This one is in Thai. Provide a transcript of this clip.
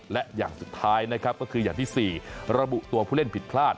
และอย่างสุดท้ายนะครับก็คืออย่างที่๔ระบุตัวผู้เล่นผิดพลาด